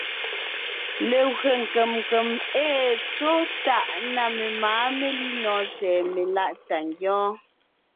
Legwé nkèm nkèm ée tsɔ̌ tàʼ na memáa melínɔɔn tsɛ̀ɛ meláʼ tà ngyɔ́ɔn.